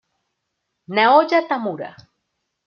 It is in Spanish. Naoya Tamura